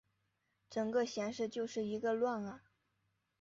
整个显示就是一个乱啊